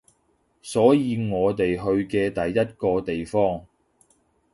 所以我哋去嘅第一個地方